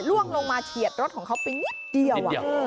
ล่วงลงมาเฉียดรถของเขาไปนิดเดียว